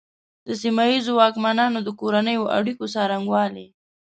د سیمه ییزو واکمنانو د کورنیو اړیکو څرنګوالي.